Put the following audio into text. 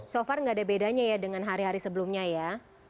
so far nggak ada bedanya ya dengan hari hari sebelumnya ya